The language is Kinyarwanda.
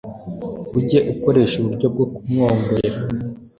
ujye ukoresha uburyo bwo kumwongorera